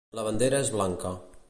La bandera és blanca.